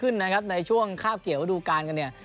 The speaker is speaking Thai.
ในช่วงข้าวเกี่ยวดูการกันเนี่ย